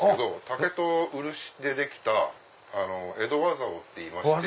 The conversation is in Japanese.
竹と漆でできた江戸和竿っていいまして。